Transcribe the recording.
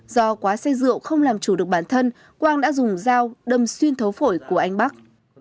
do quá say rượu không làm chủ được bản thân quang đã dùng dao đâm xuyên thấu phổi của anh bắc